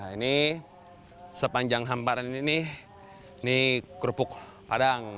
ini sepanjang hamparan ini ini kerupuk padang